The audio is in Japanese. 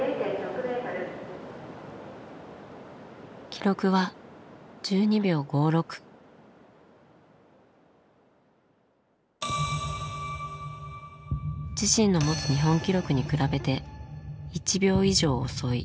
記録は自身の持つ日本記録に比べて１秒以上遅い。